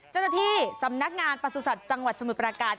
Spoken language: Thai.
เจ้าตัวที่สำนักงานประสบกษัตริย์ทางวัดสมุทรประการ